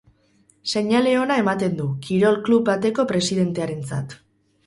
Seinale ona ematen du, kirol klub bateko presidentearentzat.